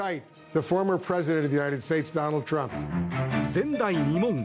前代未聞！